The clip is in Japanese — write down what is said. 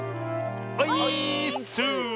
オイーッス！